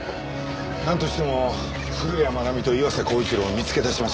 なんとしても古谷愛美と岩瀬厚一郎を見つけ出しましょう。